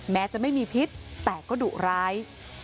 แม้จะไม่มีพิษแต่ก็ดุร้าย